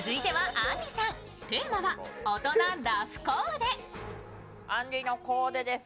あんりのコーナーです。